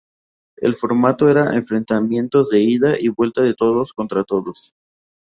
El formato era enfrentamientos de ida y vuelta de todos contra todos.